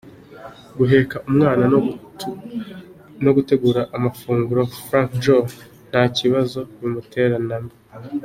Guheka umwana no gutegura amafunguro Frank Joe ntakibazo bimutera namba!.